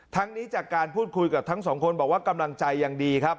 นี้จากการพูดคุยกับทั้งสองคนบอกว่ากำลังใจยังดีครับ